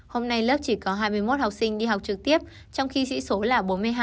hôm nay lớp chỉ có hai mươi một học sinh đi học trực tiếp trong khi sĩ số là bốn mươi hai